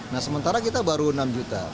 nah sementara kita baru enam juta